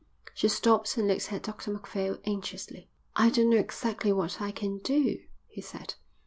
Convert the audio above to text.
She stopped and looked at Dr Macphail anxiously. "I don't know exactly what I can do," he said.